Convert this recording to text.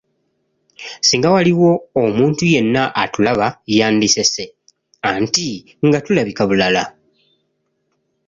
Singa waaliwo omuntu yenna atulaba yandisese, anti ngatulabika bulala.